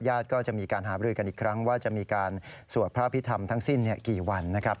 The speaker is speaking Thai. ก็จะมีการหาบริกันอีกครั้งว่าจะมีการสวดพระพิธรรมทั้งสิ้นกี่วันนะครับ